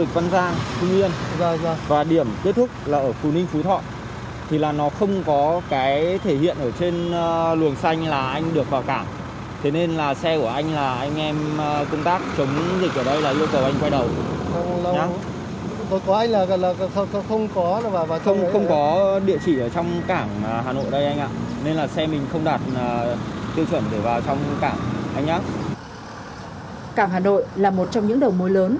cảm hà nội là một trong những đầu mối lớn